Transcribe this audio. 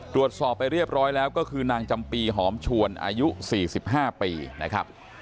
ตรวจสอบไปเรียบร้อยแล้วก็คือนางจำปีหอมชวนอายุ๔๕ปีนะครับ